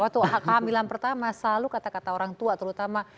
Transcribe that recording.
waktu kehamilan pertama selalu kata kata orang tua terutama